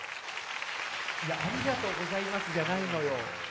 いやありがとうございますじゃないのよ